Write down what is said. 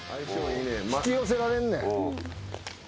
引き寄せられんねん。